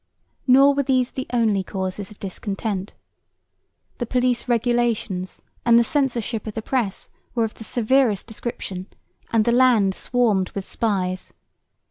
Nor were these the only causes of discontent. The police regulations and the censorship of the press were of the severest description, and the land swarmed with spies.